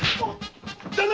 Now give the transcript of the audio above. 旦那！